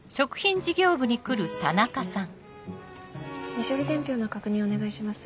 未処理伝票の確認お願いします。